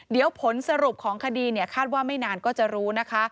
เดี๋ยวผลสรุปของคดีคาดว่าไม่นานก็จะรู้นะคะ